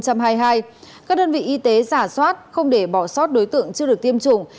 các đơn vị y tế giả soát không để bỏ sót đối tượng chưa được tiêm chủng